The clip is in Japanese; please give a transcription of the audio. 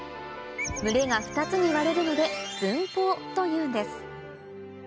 群れが２つに割れるので「分蜂」というんです